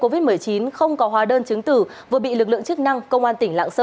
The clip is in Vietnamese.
xin chào các bạn